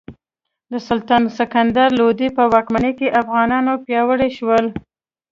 د سلطان سکندر لودي په واکمنۍ کې افغانان پیاوړي شول.